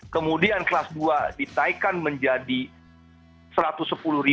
kemudian kelas dua ditaikkan menjadi rp satu ratus sepuluh